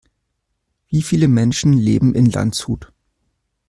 Wie viele Menschen leben in Landshut?